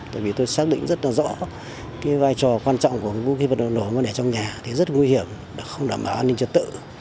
tại vì tôi xác định rất là rõ cái vai trò quan trọng của vũ khí vật liệu nổ mà để trong nhà thì rất là nguy hiểm không đảm bảo an ninh trật tự